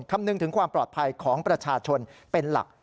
คำนึงถึงความปลอดภัยของประชาชนเป็นหลัก